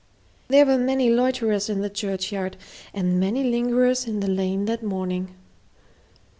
There were many loiterers in the churchyard, and many lingerers in the lane that morning.